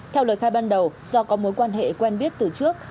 theo lời khai ban đầu do có mối quan hệ quen biết từ trước